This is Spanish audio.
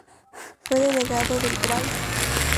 Fue delegado del Gral.